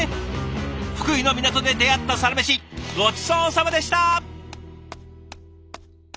福井の港で出会ったサラメシごちそうさまでした。